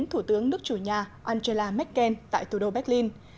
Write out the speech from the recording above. thủ tướng nước chủ nhà angela merkel tại thủ đô berlin